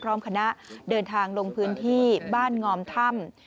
พร้อมคณะเดินทางลงพื้นที่บ้านงอมถ้ำ